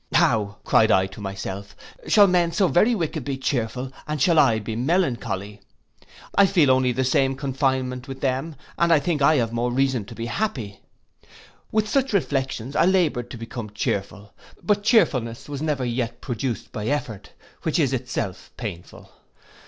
'How,' cried I to myself, 'shall men so very wicked be chearful, and shall I be melancholy! I feel only the same confinement with them, and I think I have more reason to be happy.' With such reflections I laboured to become chearful; but chearfulness was never yet produced by effort, which is itself painful.